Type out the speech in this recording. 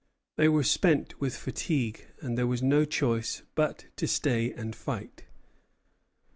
They were spent with fatigue, and there was no choice but to stay and fight.